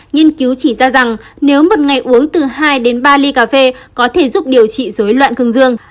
nghiên cứu chỉ ra rằng nếu một ngày uống từ hai đến ba ly cà phê có thể giúp điều trị dối loạn cương dương